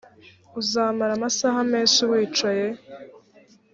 uzamara amasaha menshi wicaye